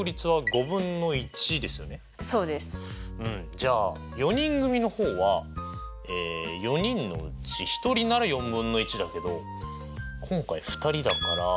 じゃあ４人組の方は４人のうち１人なら４分の１だけど今回２人だから。